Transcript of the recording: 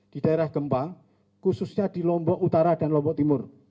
di daerah gempa khususnya di lombok utara dan lombok timur